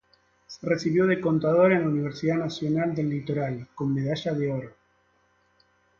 Se recibió de Contador en la Universidad Nacional del Litoral, con medalla de oro.